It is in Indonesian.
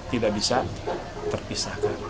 tidak bisa terpisahkan